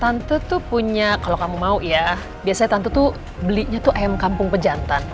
tante tuh punya kalau kamu mau ya biasanya tante tuh belinya tuh ayam kampung pejantan